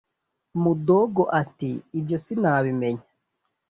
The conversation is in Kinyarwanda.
mudogo ati ibyo sinabimenya: